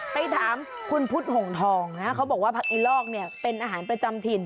ไปถามคุณพุทธหงทองนะเขาบอกว่าผักไอลอกเนี่ยเป็นอาหารประจำถิ่น